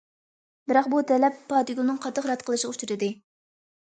بىراق بۇ تەلەپ پاتىگۈلنىڭ قاتتىق رەت قىلىشىغا ئۇچرىدى.